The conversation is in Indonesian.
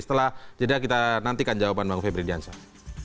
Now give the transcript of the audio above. setelah jeda kita nantikan jawaban bang febri diansyah